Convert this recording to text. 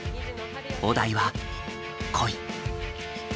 お題は「恋」。